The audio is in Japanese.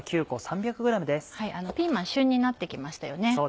ピーマン旬になって来ましたよね。